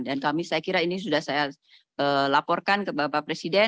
dan kami saya kira ini sudah saya laporkan ke bapak presiden